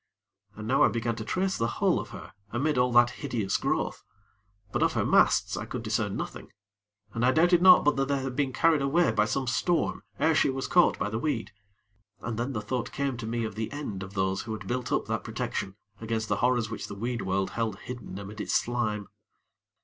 And now I began to trace the hull of her amid all that hideous growth; but of her masts, I could discern nothing; and I doubted not but that they had been carried away by some storm ere she was caught by the weed; and then the thought came to me of the end of those who had built up that protection against the horrors which the weed world held hidden amid its slime.